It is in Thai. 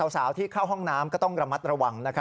สาวที่เข้าห้องน้ำก็ต้องระมัดระวัง